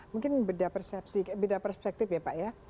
mungkin beda persepsi beda perspektif ya pak ya